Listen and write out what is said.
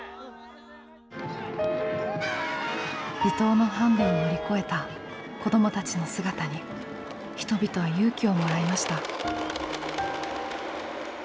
離島のハンデを乗り越えた子どもたちの姿に人々は勇気をもらいました。